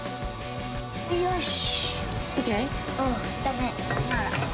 よし！